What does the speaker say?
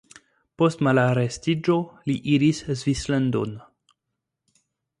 Post malarestiĝo li iris Svislandon.